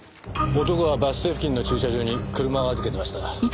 男はバス停付近の駐車場に車を預けてました。